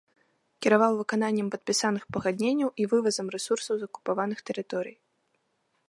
Кіраваў выкананнем падпісаных пагадненняў і вывазам рэсурсаў з акупаваных тэрыторый.